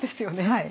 はい。